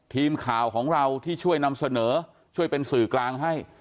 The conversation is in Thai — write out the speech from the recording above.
ทีมข่าวของเราที่ช่วยนำเสนอช่วยเป็นสื่อกลางให้